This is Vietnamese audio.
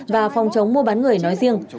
và phòng chống mua bán người nói riêng